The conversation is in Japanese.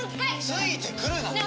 ついてくるな！